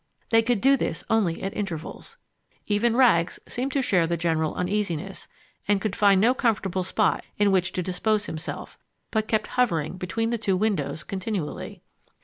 They could do this only at intervals. Even Rags seemed to share the general uneasiness, and could find no comfortable spot in which to dispose himself, but kept hovering between the two windows continually.